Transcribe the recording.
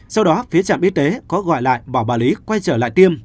sau đó phía trạm y tế có gọi lại bỏ bà lý quay trở lại tiêm